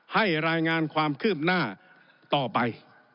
ให้รายงานความคืบหน้าต่อไป